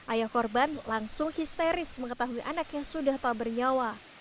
ayah korban langsung histeris mengetahui anaknya sudah tak bernyawa